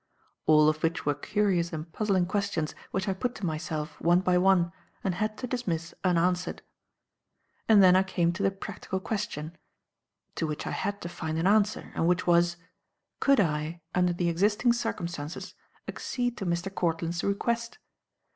All of which were curious and puzzling questions which I put to myself, one by one, and had to dismiss unanswered. And then I came to the practical question, to which I had to find an answer, and which was: Could I, under the existing circumstances, accede to Mr. Courtland's request?